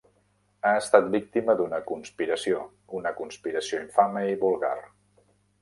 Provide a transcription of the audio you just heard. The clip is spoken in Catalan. He estat víctima d'una conspiració; una conspiració infame i vulgar.